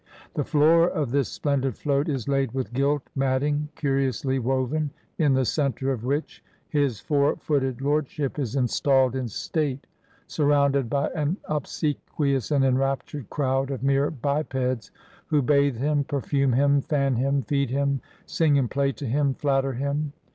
The floor of this splendid float is laid with gilt matting, curi ously woven, in the center of which his four footed lord ship is installed in state, surrounded by an obsequious and enraptured crowd of mere bipeds, who bathe him, perfume him, fan him, feed him, sing and play to him, flatter him.